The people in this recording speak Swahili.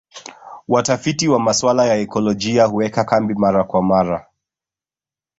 Watafiti wa masuala ya ekolojia huweka kambi mara kwa mara